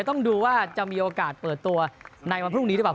ต้องดูว่าจะมีโอกาสเปิดตัวในวันพรุ่งนี้หรือเปล่า